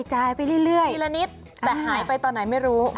ทีละนิดแต่หายไปตอนไหนไม่รู้